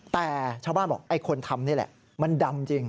แต่ชาวบ้านบอกไอ้คนทำนี่แหละมันดำจริง